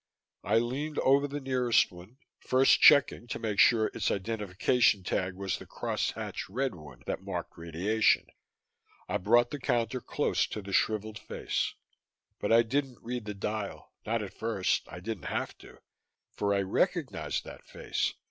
I leaned over the nearest one, first checking to make sure its identification tag was the cross hatched red one that marked "radiation." I brought the counter close to the shriveled face But I didn't read the dial, not at first. I didn't have to. For I recognized that face.